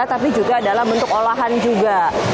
tapi juga dalam bentuk olahan juga